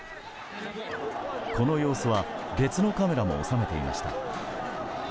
この様子は別のカメラも収めていました。